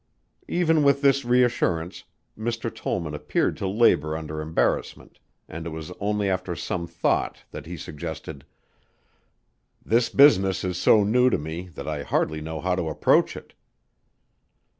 Even with this reassurance, Mr. Tollman appeared to labor under embarrassment and it was only after some thought that he suggested, "This business is so new to me that I hardly know how to approach it."